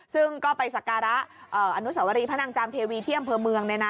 ซึ่งก็ไปสการะอนุสวรีพระนางจามเทวีที่อำเภอเมือง